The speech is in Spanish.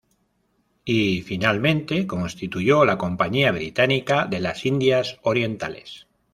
Y, finalmente, constituyó la Compañía Británica de las Indias Orientales.